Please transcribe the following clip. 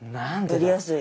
やりやすい。